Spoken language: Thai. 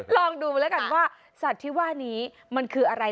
ลองดูแล้วกันว่าสัตว์ที่ว่านี้มันคืออะไร